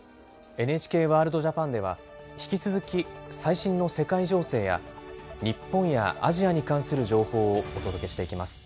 「ＮＨＫワールドＪＡＰＡＮ」では引き続き最新の世界情勢や日本やアジアに関する情報をお届けしていきます。